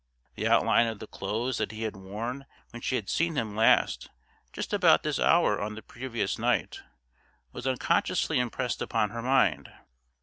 The outline of the clothes that he had worn when she had seen him last just about this hour on the previous night was unconsciously impressed upon her mind.